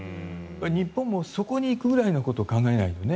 日本もそこに行くぐらいのことを考えないとね。